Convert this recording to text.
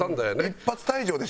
一発退場でしょ